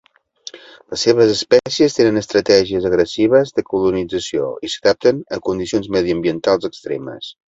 Les seves espècies tenen estratègies agressives de colonització i s'adapten a condicions mediambientals extremes.